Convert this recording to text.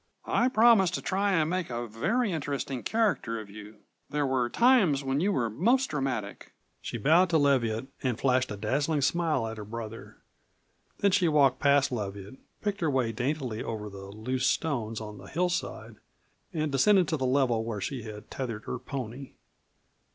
"I promise to try and make a very interesting character of you there were times when you were most dramatic." She bowed to Leviatt and flashed a dazzling smile at her brother. Then she walked past Leviatt, picked her way daintily over the loose stones on the hillside, and descended to the level where she had tethered her pony.